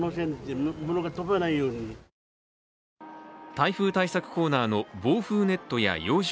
台風対策コーナーの防風ネットや養生